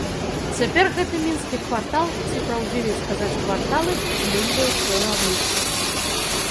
Цяпер гэты мінскі квартал ці, праўдзівей сказаць, кварталы зменьваюць сваё аблічча.